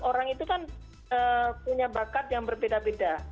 orang itu kan punya bakat yang berbeda beda